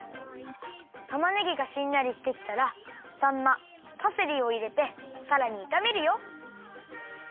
たまねぎがしんなりしてきたらさんまパセリをいれてさらにいためるよ。